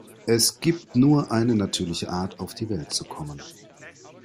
Es gibt nur eine natürliche Art, auf die Welt zu kommen.